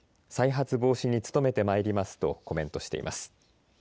再発防止に努めてまいりますとコメントしています。